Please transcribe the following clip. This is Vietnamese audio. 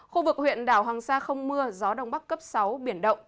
khu vực huyện đảo hoàng sa không mưa gió đông bắc cấp sáu biển động